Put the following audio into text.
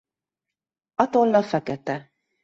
A tolla fekete.